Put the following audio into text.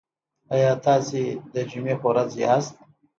ایا تاسو د جمعې په ورځ یاست؟